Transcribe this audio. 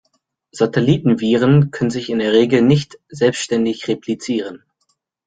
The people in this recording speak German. Satelliten-Viren können sich in der Regel nicht selbständig replizieren.